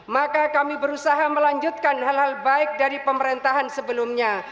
maka kami berusaha melanjutkan hal hal baik dari pemerintahan sebelumnya